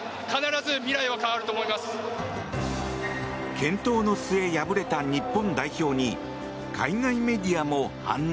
健闘の末、敗れた日本代表に海外メディアも反応。